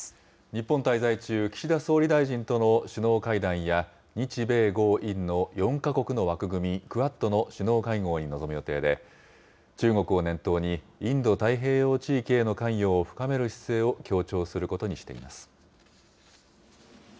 日本滞在中、岸田総理大臣との首脳会談や、日米豪印の４か国の枠組み、クアッドの首脳会合に臨む予定で、中国を念頭にインド太平洋地域への関与を深める姿勢を強調することにしています。